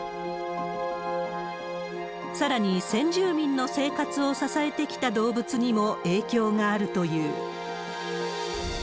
さらに、先住民の生活を支えてきた動物にも影響があるという。